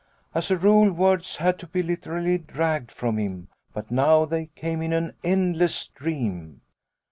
As a rule words had to be literally dragged from him, but now they came in an endless stream.